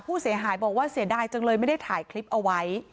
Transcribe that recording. ผู้เสียหายบอกว่าเสียดายจังเลยไม่ได้ถ่ายคลิปเอาไว้